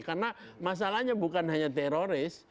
karena masalahnya bukan hanya teroris